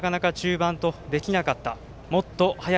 それがなかなか中盤でできなかった。